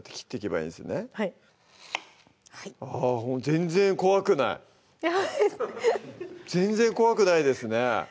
全然怖くない全然怖くないですね